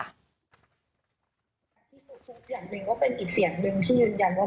ไทยไปแต่ยังรูปสวยอย่างเงี้ย